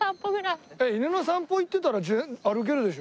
犬の散歩行ってたら歩けるでしょ。